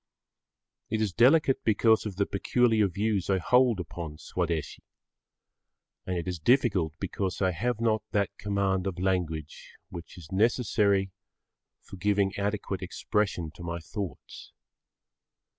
It is delicate because of the peculiar views I hold upon Swadeshi, and it is difficult because I have not that command of language which is necessary for giving adequate expression to my thoughts.